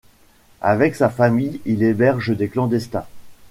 Avec sa famille, il héberge des clandestins.